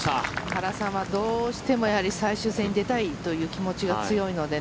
原さんはどうしても最終戦に出たいという気持ちが強いので